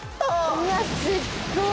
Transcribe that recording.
うわすっごい！